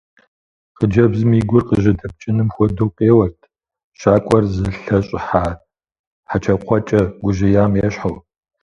Хъыджэбзым и гур къыжьэдэпкӀыным хуэдэу къеуэрт, щакӀуэр зылъэщӀыхьа хьэкӀэкхъуэкӀэ гужьеям ещхьу.